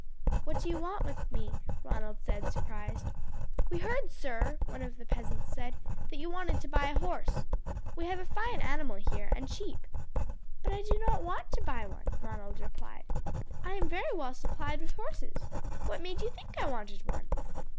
"What do you want with me?" Ronald said surprised. "We heard, sir," one of the peasants said, "that you wanted to buy a horse. We have a fine animal here, and cheap." "But I do not want to buy one," Ronald replied. "I am very well supplied with horses. What made you think I wanted one?"